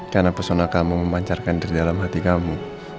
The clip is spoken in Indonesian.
karena pesona kamu memancarkan diri dalam hati kamu